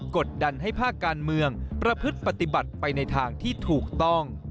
กดดันให้ภาคการเมืองประพฤติปฏิบัติไปในทางที่ถูกต้อง